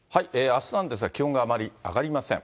あすなんですが、気温があまり上がりません。